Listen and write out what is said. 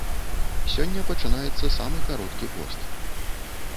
Сёння пачынаецца самы кароткі пост.